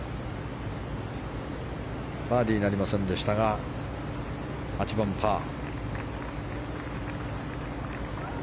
バーディーなりませんでしたが８番、パー。